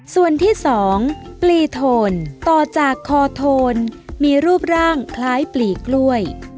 ส่วนที่๒ปลีโทนต่อจากคอโทนมีรูปร่างคล้ายปลีกล้วย